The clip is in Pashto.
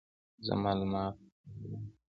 زه مالومات غواړم !